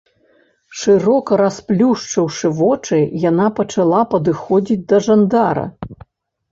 Шырока расплюшчыўшы вочы, яна пачала падыходзіць да жандара.